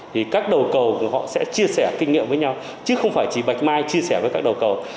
thì các đầu cầu họ sẽ chia sẻ kinh nghiệm với nhau chứ không phải chỉ bạch mai chia sẻ với các đầu cầu